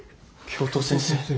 教頭先生！